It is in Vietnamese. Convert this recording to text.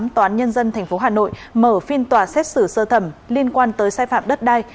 tòa án nhân dân tp hà nội mở phiên tòa xét xử sơ thẩm liên quan tới sai phạm đất đai